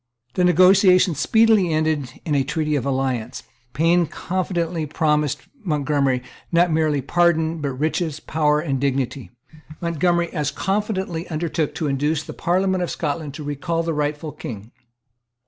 The negotiation speedily ended in a treaty of alliance, Payne confidently promised Montgomery, not merely pardon, but riches, power and dignity. Montgomery as confidently undertook to induce the Parliament of Scotland to recall the rightful King.